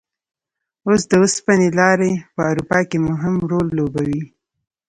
اوس د اوسپنې لارې په اروپا کې مهم رول لوبوي.